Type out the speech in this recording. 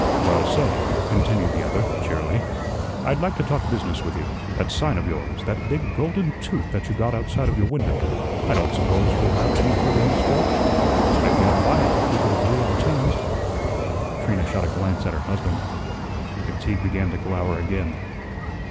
"Well, say," continued the other, cheerily, "I'd like to talk business with you. That sign of yours, that big golden tooth that you got outside of your window, I don't suppose you'll have any further use for it. Maybe I'd buy it if we could agree on terms." Trina shot a glance at her husband. McTeague began to glower again.